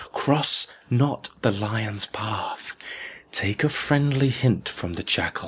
Cross not the lion's path; take a friendly hint from the jackal."